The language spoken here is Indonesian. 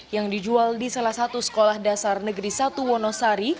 yang dijual di salah satu sekolah dasar negeri satu wonosari